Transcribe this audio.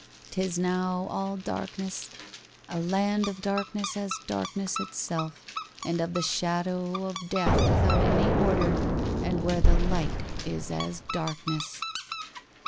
'Tis now all darkness "a land of darkness as darkness itself; and of the shadow of death without any order, and where the light is as darkness."